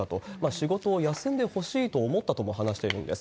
仕事を休んでほしいと思ったとも話しているんです。